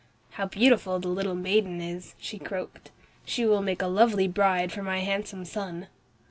"How beautiful the little maiden is," she croaked. "She will make a lovely bride for my handsome son."